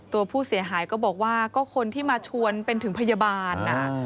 ตัวผู้เสียหายก็บอกว่าก็คนที่มาชวนเป็นถึงพยาบาล